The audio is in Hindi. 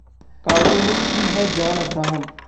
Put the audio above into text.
कार्टूनिस्ट भी है जान अब्राहम